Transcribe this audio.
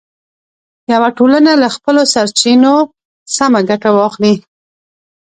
یوه ټولنه له خپلو سرچینو سمه ګټه واخلي.